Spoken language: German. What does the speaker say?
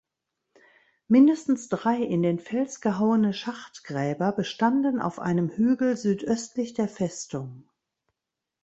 Mindestens drei in den Fels gehauene Schachtgräber bestanden auf einem Hügel südöstlich der Festung.